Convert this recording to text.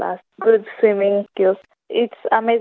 dan kemahiran menanggung yang baik